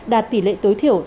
đạt tỷ lệ tối thiểu tám mươi